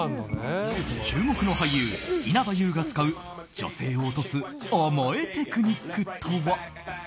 注目の俳優・稲葉友が使う女性を落とす甘えテクニックとは。